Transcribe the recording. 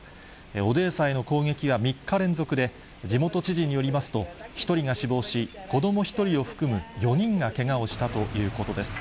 オデーサへの攻撃は３日連続で、地元知事によりますと、１人が死亡し子ども１人を含む４人がけがをしたということです。